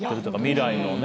未来のね。